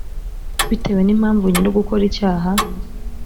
bitewe n impamvu nyir ugukora icyaha